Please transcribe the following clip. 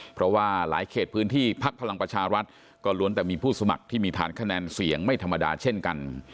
เพราะว่าหลายเขตพื้นที่พักพลังประชารัฐก็ล้วนแต่มีผู้สมัครที่มีฐานคะแนนเสียงไม่ธรรมดาเช่นกัน